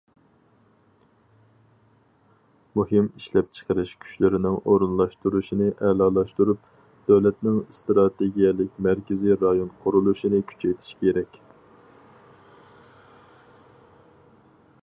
مۇھىم ئىشلەپچىقىرىش كۈچلىرىنىڭ ئورۇنلاشتۇرۇلۇشىنى ئەلالاشتۇرۇپ، دۆلەتنىڭ ئىستراتېگىيەلىك مەركىزىي رايون قۇرۇلۇشىنى كۈچەيتىش كېرەك.